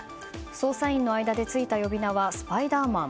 捜査員の間でついた呼び名はスパイダーマン。